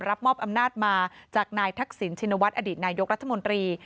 รับมอบอำนาจมาจากนายทักษิณชินวัฒนอดีตนายกรัฐมนตรี